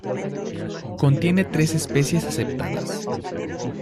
Contiene tres especies aceptadas.